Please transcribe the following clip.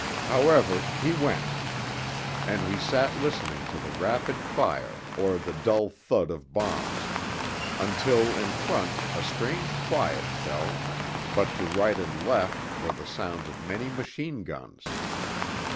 However, he went. And we sat listening to the rapid fire or the dull thud of bombs, until in front a strange quiet fell, but to right and left were the sounds of many machine guns.